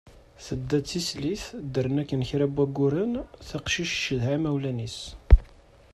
Tedda d tislit, ddren akken kra n wagguren, taqcict tcedha imawlan-is.